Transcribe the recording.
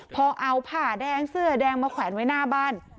พอเอาผ้าแดงเสื้อแดงมาแขวนไว้หน้าบ้าน